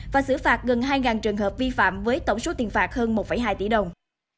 và xử phạt gần hai trường hợp vi phạm với tổng số tiền phạt hơn một hai tỷ đồng